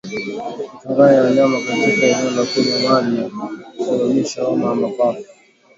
Kuchanganya wanyama katika maeneo ya kunywea maji husababisha homa ya mapafu